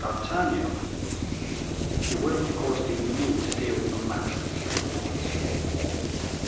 d'Artagnan " "You will of course leave me to deal with the matter," said De Wardes.